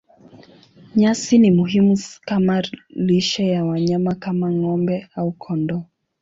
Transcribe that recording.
Nyasi ni muhimu kama lishe ya wanyama kama ng'ombe au kondoo.